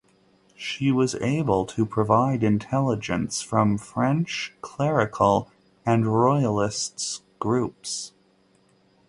She was able to provide intelligence from French clerical and royalists groups.